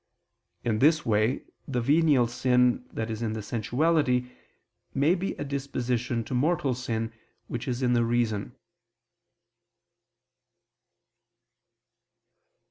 In this way the venial sin that is in the sensuality, may be a disposition to mortal sin, which is in the reason.